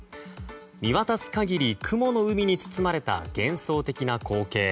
見渡す限り雲の海に包まれた幻想的な光景。